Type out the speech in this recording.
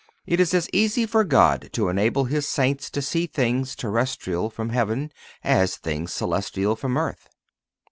It is as easy for God to enable His Saints to see things terrestrial from heaven as things celestial from earth.